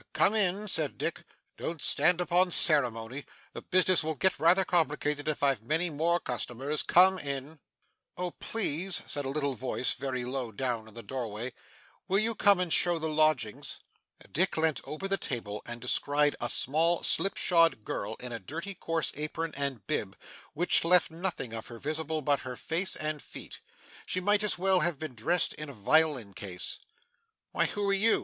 'Come in!' said Dick. 'Don't stand upon ceremony. The business will get rather complicated if I've many more customers. Come in!' 'Oh, please,' said a little voice very low down in the doorway, 'will you come and show the lodgings?' Dick leant over the table, and descried a small slipshod girl in a dirty coarse apron and bib, which left nothing of her visible but her face and feet. She might as well have been dressed in a violin case. 'Why, who are you?